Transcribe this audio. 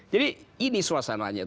jadi ini suasananya